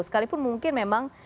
sekalipun mungkin memang